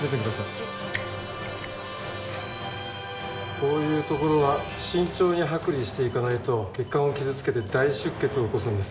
こういうところは慎重に剥離していかないと血管を傷つけて大出血を起こすんです。